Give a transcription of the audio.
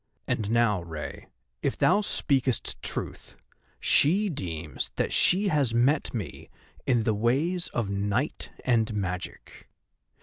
And now, Rei, if thou speakest truth, she deems that she has met me in the ways of night and magic.